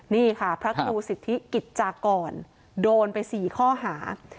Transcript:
นี่ค่ะพระครูสิทธิกิจจากรโดนไป๔ข้อหา